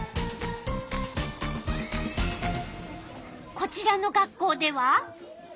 こちらの学校では。